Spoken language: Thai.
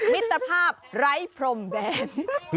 มิตรภาพไร้พรมแดน